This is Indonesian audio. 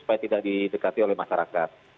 supaya tidak didekati oleh masyarakat